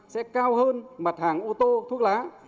sẽ cao hơn mặt hàng ô tô thuốc lá